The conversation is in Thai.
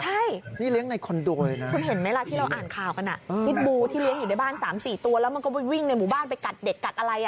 ใช่นี่เลี้ยงในคอนโดเลยนะคุณเห็นไหมล่ะที่เราอ่านข่าวกันอ่ะพิษบูที่เลี้ยงอยู่ในบ้าน๓๔ตัวแล้วมันก็ไปวิ่งในหมู่บ้านไปกัดเด็กกัดอะไร